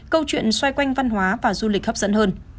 câu chuyện xoay quanh văn hóa và du lịch hấp dẫn hơn